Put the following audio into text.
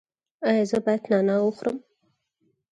ایا زه باید نعناع وخورم؟